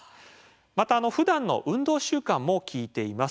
またふだんの運動習慣も聞いています。